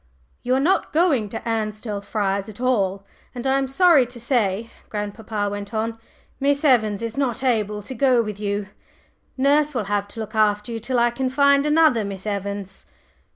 "You are not going to Ansdell Friars at all; and, I am sorry to say," grandpapa went on, "Miss Evans is not able to go with you. Nurse will have to look after you till I can find another Miss Evans."